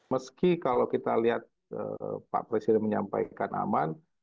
meski kalau kita lihat pak presiden menyampaikan aman